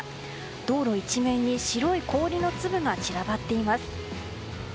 道路一面に白い氷の粒が散らばっています。